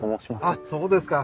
あっそうですか。